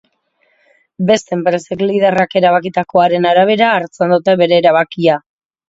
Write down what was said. Beste enpresek liderrak erabakitakoaren arabera hartzen dute bere erabakia.